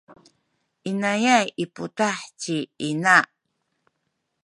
inayay i putah ci ina.